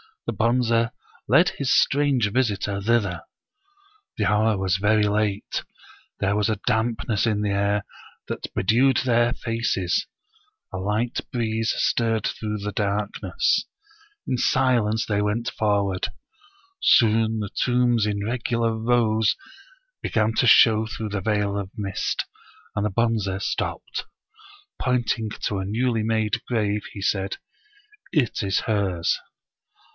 The Bonze led his strange visitor thither. The hour was very late; there was a dampness in the air that be dewed their faces ; a light breeze stirred through the dark ness. In silence they went forward. Soon the tombs in regular rows began to show through the veil of mist, and the Bonze stopped. Pointing to a newly made grave he said " It is hers."